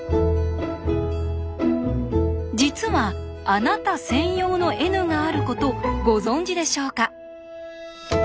実はあなた専用のＮがあることご存じでしょうか？